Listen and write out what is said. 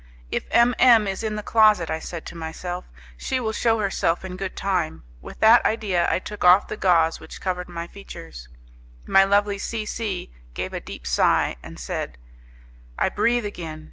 If M M is in the closet, said I to myself, she will shew herself in good time. With that idea, I took off the gauze which covered my features. My lovely C C gave a deep sigh, and said: "I breathe again!